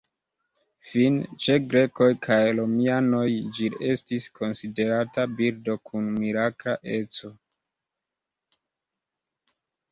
Fine, ĉe grekoj kaj romianoj ĝi estis konsiderata birdo kun mirakla eco.